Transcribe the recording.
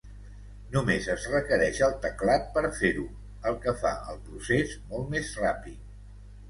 Només es requereix el teclat per fer-ho, el que fa el procés molt més ràpid.